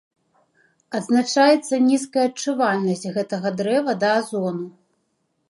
Адзначаецца нізкая адчувальнасць гэтага дрэва да азону.